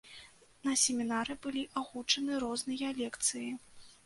На семінары былі агучаны розныя лекцыі.